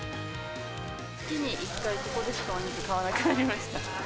月に１回、ここでしかお肉買わなくなりました。